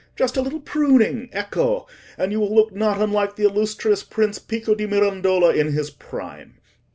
Just a little pruning—ecco!—and you will look not unlike the illustrious prince Pico di Mirandola in his prime.